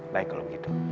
baik kalau begitu